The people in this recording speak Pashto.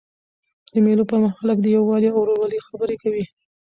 د مېلو پر مهال خلک د یووالي او ورورولۍ خبري کوي.